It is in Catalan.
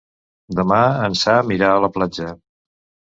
Demà en Sam irà a la platja.